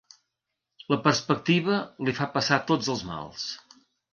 La perspectiva li fa passar tots els mals.